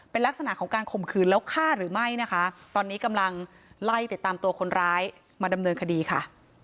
เป็นลักษณะของการข่มขืนแล้วฆ่าหรือไม่นะคะตอนนี้กำลังไล่ติดตามตัวคนร้ายมาดำเนินคดีค่ะ